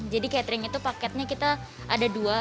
jadi catering itu paketnya kita ada dua